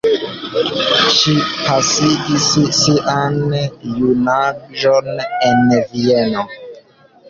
Ŝi pasigis sian junaĝon en Vieno.